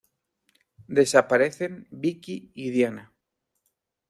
Desaparecen Vickie y Diana.